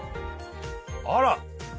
あら！